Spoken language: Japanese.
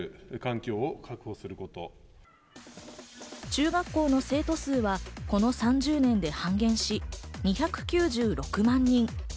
中学校の生徒数はこの３０年で半減し、２９６万人。